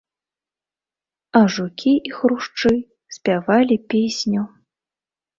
А жукі і хрушчы спявалі песню.